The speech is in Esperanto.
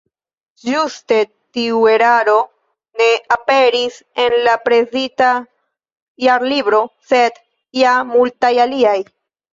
Ĝuste tiu eraro ne aperis en la presita Jarlibro, sed ja multaj aliaj.